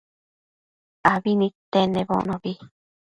abi nidtenedbocnobi